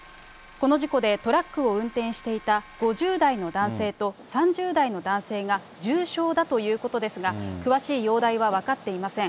この事故で、トラックを運転していた５０代の男性と３０代の男性が重傷だということですが、詳しい容体は分かっていません。